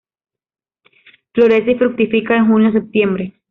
Florece y fructifica en junio-septiembre.